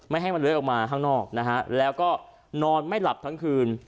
ให้มันเลื้อยออกมาข้างนอกนะฮะแล้วก็นอนไม่หลับทั้งคืน